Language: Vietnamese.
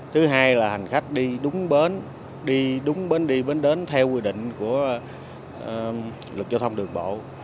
thứ hai là hành khách đi đúng bến đi đúng bến đi bến đến theo quy định của luật giao thông đường bộ